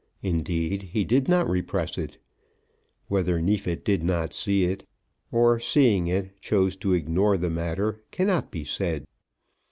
Indeed, he did not repress it. Whether Neefit did not see it, or seeing it chose to ignore the matter, cannot be said.